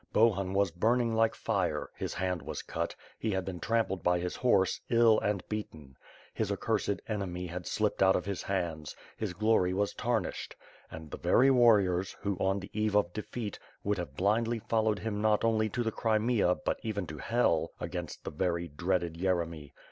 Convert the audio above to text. Bohun was burning like fire; his hand was cut; he had been trampled by his horse, ill and beaten. His accursed enemy had slipped out of his hands; his glory was tarnished. And the very warriors, who on the eve of the defeat, would have blindly followed him not only to the Crimea but even to hell against the very dreaded Yeremy.